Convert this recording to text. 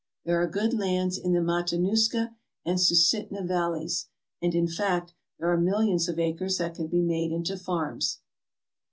There are good lands in the Ma tanuska and Susitna valleys, and, in fact, there are millions of acres that can be made into farms."